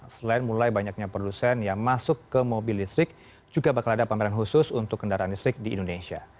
selain mulai banyaknya produsen yang masuk ke mobil listrik juga bakal ada pameran khusus untuk kendaraan listrik di indonesia